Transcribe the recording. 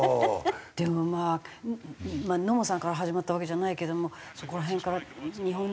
でもまあ野茂さんから始まったわけじゃないけどもそこら辺から日本人選手が。